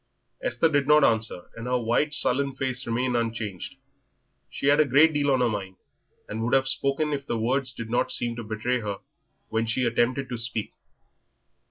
Esther did not answer, and her white, sullen face remained unchanged. She had a great deal on her mind, and would have spoken if the words did not seem to betray her when she attempted to speak.